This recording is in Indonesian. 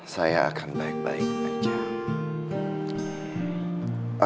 saya akan baik baik saja